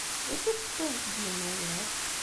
D acu i tessewwayemt deg Yennayer?